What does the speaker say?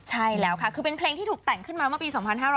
ใช่แล้วค่ะเป็นเพลงที่ถูกแต่งมาปี๒๕๕๗